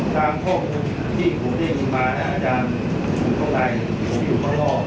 ถามความคิดที่ผมได้ยินมาอาจารย์ตรงในตรงที่ผมต้องลอบ